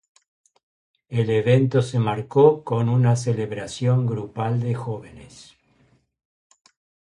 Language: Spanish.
El evento se marcó con una celebración grupal de jóvenes.